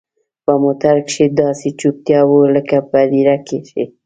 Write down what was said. په موټر کښې داسې چوپتيا وه لكه په هديره کښې.